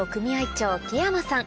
長木山さん